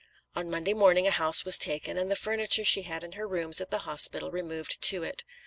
On Monday morning a house was taken, and the furniture she had in her rooms at the hospital removed to it.